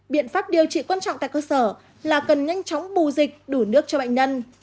biện pháp điều trị quan trọng tại cơ sở là cần nhanh chóng bù dịch đủ nước cho bệnh nhân